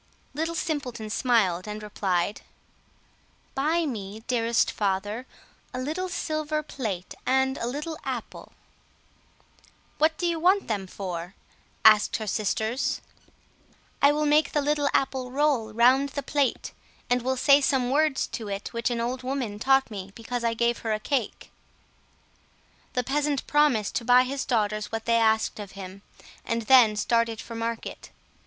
Little Simpleton smiled and replied— "Buy me, dearest father, a little silver plate and a little apple." "What do you want them for?" asked her sisters. "I will make the little apple roll round the plate, and will say some words to it which an old woman taught me because I gave her a cake." The peasant promised to buy his daughters what they asked of him, and then started for market.